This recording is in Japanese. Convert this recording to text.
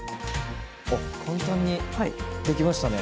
おっ簡単に出来ましたね。